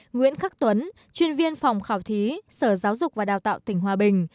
nguyễn khắc tuấn chuyên viên phòng khảo thí sở giáo dục và đào tạo tỉnh hòa bình